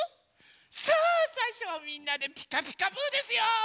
さあさいしょはみんなで「ピカピカブ！」ですよ。